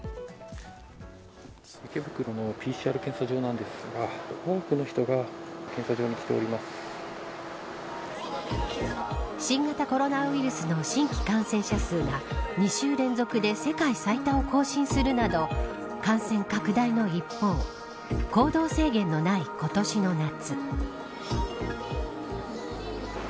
池袋のＰＣＲ検査場なんですが多くの人が新型コロナウイルスの新規感染者数が２週連続で世界最多を更新するなど感染拡大の一方行動制限のない今年の夏。